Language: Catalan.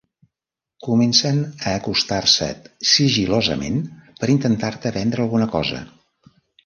Comencen a acostar-se't sigil·losament per intentar-te vendre alguna cosa.